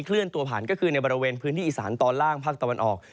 เลื่อนตัวผ่านก็คือในบริเวณพื้นที่อีสานตอนล่างภาคตะวันออก